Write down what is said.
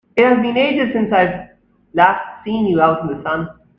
It has been ages since I've last seen you out in the sun!